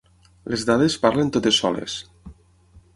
Les dades parlen totes soles.